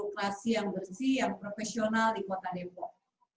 membuat birokrasi yang bersih yang profesional di kota depok